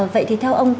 vậy thì theo ông